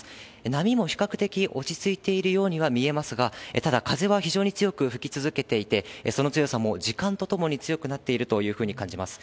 波も比較的落ち着いているようには見えますが、ただ、風は非常に強く吹き続けていて、その強さも時間とともに強くなっているというふうに感じます。